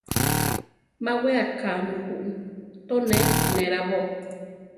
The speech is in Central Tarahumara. Má we akámi ju, to ne nerábo.